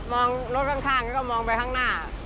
รถข้างแล้วก็มองไปข้างหน้า